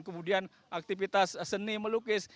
kemudian aktivitas seni melukis